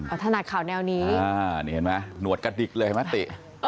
ข่าวอัธยกรรมอันถนัดข่าวแนวนี้นี่เห็นไหมหนวดกระดิกเลยมาติ